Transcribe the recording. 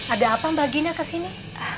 ada apa mbak gina ke sini